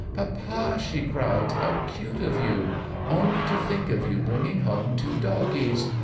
"Poppa," she cried, "how cute of you! Only to think of you bringing home two doggies!